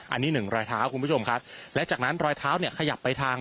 อันนี้หนึ่งรอยเท้าคุณผู้ชมครับและจากนั้นรอยเท้าเนี่ยขยับไปทาง